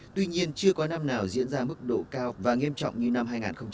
tuy nhiên chưa có năm nào diễn ra mức độ cao và nghiêm trọng như năm hai nghìn một mươi tám